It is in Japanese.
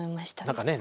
何かね